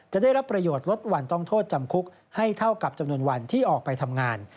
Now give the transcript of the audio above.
จะได้รับประโยชน์ลดวันต้องโทษจำคุกให้เท่ากับจำนวนวันที่ออกไปทำงาน